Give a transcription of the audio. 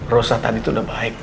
rosa tadi itu udah baik